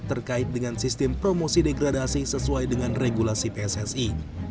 terkait dengan sistem promosi degradasi sesuai dengan regulasi pssi